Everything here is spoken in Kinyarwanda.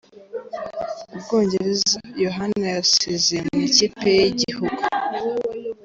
U Bwongerez yohana yasezeye mu kipe ye y’Igihugu